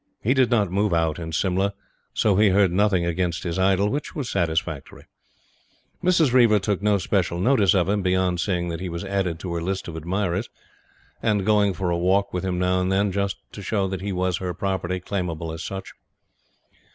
He did not move out in Simla, so he heard nothing against his idol: which was satisfactory. Mrs. Reiver took no special notice of him, beyond seeing that he was added to her list of admirers, and going for a walk with him now and then, just to show that he was her property, claimable as such.